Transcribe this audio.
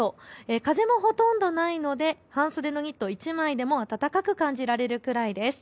風もほとんどないので半袖のニット１枚でも暖かく感じられるくらいです。